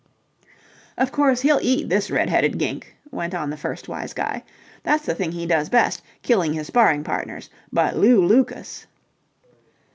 "Of course he'll eat this red headed gink," went on the first wise guy. "That's the thing he does best, killing his sparring partners. But Lew Lucas..."